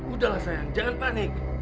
udahlah sayang jangan panik